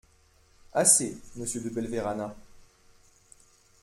Assez, Monsieur De Belverana.